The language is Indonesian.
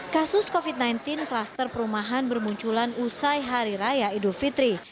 kasus covid sembilan belas kluster perumahan bermunculan usai hari raya idul fitri